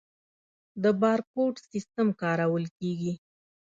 د بارکوډ سیستم کارول کیږي؟